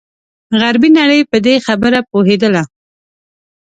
غربي نړۍ په دې خبره پوهېدله.